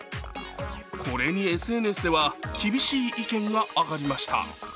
これにＳＮＳでは、厳しい意見が上がりました。